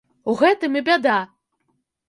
У гэтым і бяда!